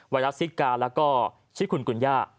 ไวรัสซิกาและชิคุณกุญญา